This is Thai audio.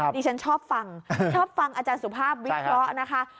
ดิฉันชอบฟังชอบฟังอาจารย์สุภาพวิเคราะห์นะคะ